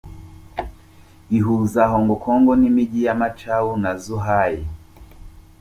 Rihuza Hong Kong n'imijyi ya Macau na Zhuhai.